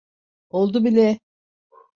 Oldu bile.